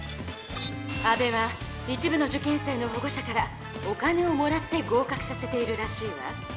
安部は一部の受験生の保護者からお金をもらって合かくさせているらしいわ。